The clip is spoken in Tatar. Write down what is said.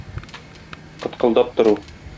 Кыткылдап тору.